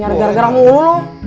nyara gara mulu lu